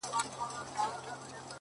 هـغــه اوس سيــمــي د تـــــه ځـــــي.!